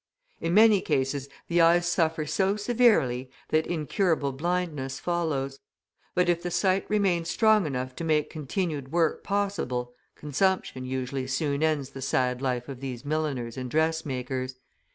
In many cases the eyes suffer, so severely that incurable blindness follows; but if the sight remains strong enough to make continued work possible, consumption usually soon ends the sad life of these milliners and dressmakers.